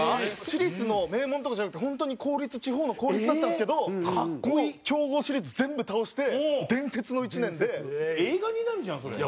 私立の名門とかじゃなくて本当に公立地方の公立だったんですけどもう強豪私立全部倒して映画になるじゃんそれ。